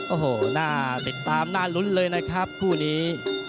โอ้โหน่าติดตามน่าลุ้นเลยนะครับคู่นี้